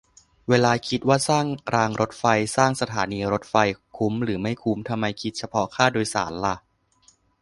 เวลาคิดว่าสร้างรางรถไฟ สร้างสถานีรถไฟ คุ้มหรือไม่คุ้ม ทำไมคิดเฉพาะค่าโดยสารล่ะ ?